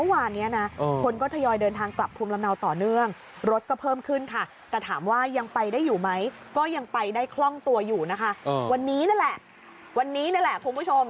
วันนี้นี่แหละคุณผู้ชม